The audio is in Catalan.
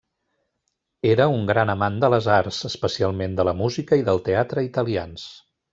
Era un gran amant de les arts, especialment de la música i del teatre italians.